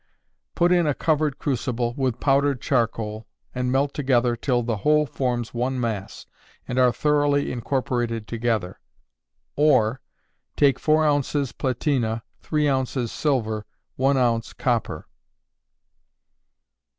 Put in a covered crucible, with powdered charcoal, and melt together till the whole forms one mass, and are thoroughly incorporated together. Or, take 4 oz. platina, 3 oz. silver, 1 oz. copper.